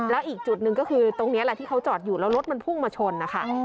แล้วอีกจุดหนึ่งก็คือตรงนี้แหละที่เขาจอดอยู่แล้วรถมันพุ่งมาชนนะคะ